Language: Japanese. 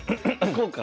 こうか。